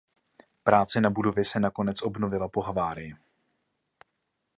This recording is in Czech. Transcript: Práce na budově se nakonec obnovila po havárii.